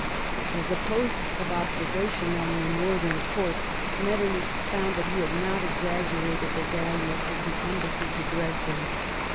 As a post of observation on the Northern Courts, Metternich found that he had not exaggerated the value of the embassy to Dresden.